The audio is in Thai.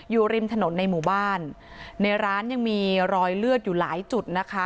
อยู่ริมถนนในหมู่บ้านในร้านยังมีรอยเลือดอยู่หลายจุดนะคะ